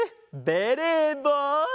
ベレーぼう。